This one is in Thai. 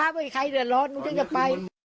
ไม่มีใครเหลือร้อนหนูจะไป